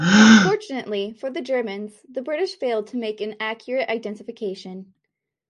Fortunately for the Germans, the British failed to make an accurate identification.